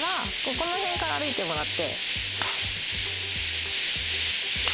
このへんから歩いてもらって。